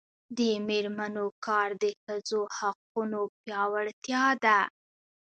د میرمنو کار د ښځو حقونو پیاوړتیا ده.